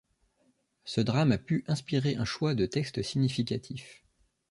Ce drame a pu inspirer un choix de textes significatifs.